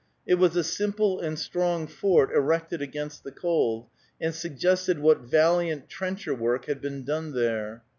It was a simple and strong fort erected against the cold, and suggested what valiant trencher work had been done there.